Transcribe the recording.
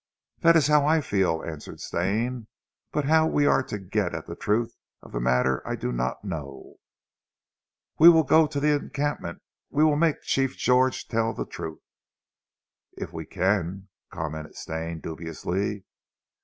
"That is how I feel," answered Stane. "But how we are to get at the truth of the matter, I do not know." "We weel go to zee encampment. We weel mak' Chief George tell zee truth." "If we can!" commented Stane dubiously.